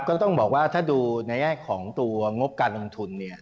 ก็ต้องบอกว่าถ้าดูในแง่ของตัวงบการลงทุน